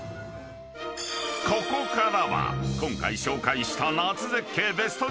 ［ここからは今回紹介した］